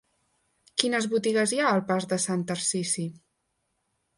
Quines botigues hi ha al pas de Sant Tarsici?